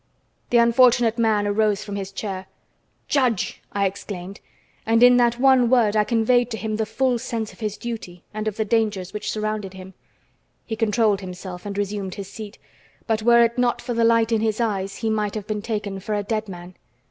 The unfortunate man arose from his chair. "Judge!" I exclaimed, and in that one word I conveyed to him the full sense of his duty and of the dangers which surrounded him. He controlled himself and resumed his seat, but were it not for the light in his eyes, he might have been taken for a dead man.